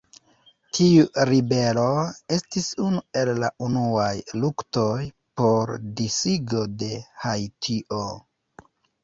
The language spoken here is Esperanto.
Tiu ribelo estis unu el la unuaj luktoj por disigo de Haitio.